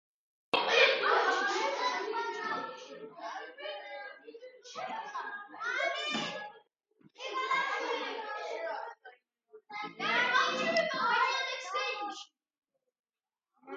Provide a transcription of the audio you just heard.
ეკლესიას აქვს რუსეთის ფედერაციის რეგიონალური მნიშვნელობის კულტურული მემკვიდრეობის ძეგლის სტატუსი.